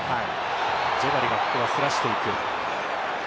ジェバリがここはすらしていく。